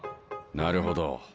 なるほど。